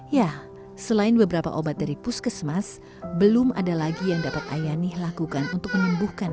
ya selain beberapa obat dari puskesmas belum ada lagi yang dapat ayani lakukan untuk menyembuhkan